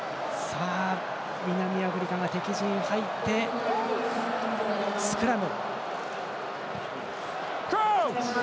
南アフリカが敵陣に入ってスクラム。